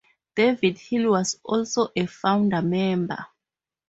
David Hill was also a founder member.